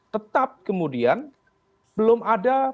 tetap kemudian belum ada